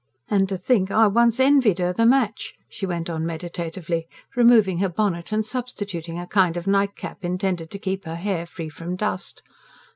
"And to think I once envied her the match!" she went on meditatively, removing her bonnet and substituting a kind of nightcap intended to keep her hair free from dust.